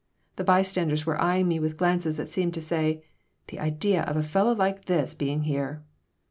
The bystanders were eying me with glances that seemed to say, "The idea of a fellow like this being here!"